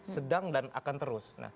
sedang dan akan terus